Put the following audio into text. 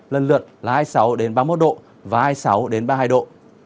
lần lượt là hai mươi sáu ba mươi một độ và hai mươi sáu ba mươi hai độ